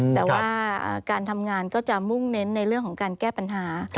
แต่ว่าการทำงานก็จะมุ่งเน้นในเรื่องของการแก้ปัญหา